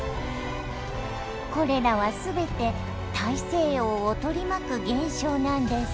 これらは全て大西洋を取り巻く現象なんです。